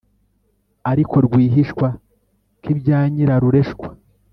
ariko rwihishwa nk' ibya nyiraru reshwa.